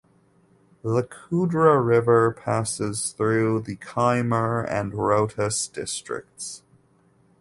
The Kodra River passes through the Kaimur and Rohtas districts.